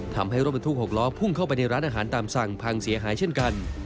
ทำให้รถบรรทุก๖ล้อพุ่งเข้าไปในร้านอาหารตามสั่งพังเสียหายเช่นกัน